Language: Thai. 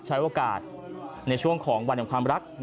ใช้โอกาสในช่วงของวันแห่งความรัก